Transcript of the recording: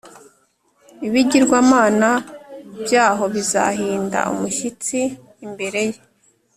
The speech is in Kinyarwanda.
Ibigirwamana byaho bizahinda umushyitsi imbere ye,